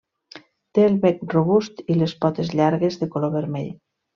Té el bec robust i les potes llargues de color vermell.